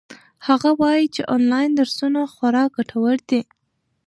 هغه وایي چې آنلاین درسونه خورا ګټور دي.